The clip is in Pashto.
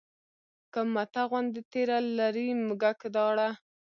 که مته غوندې تېره لري مږک داړه